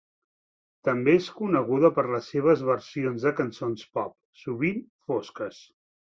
També és coneguda per les seves versions de cançons pop, sovint fosques.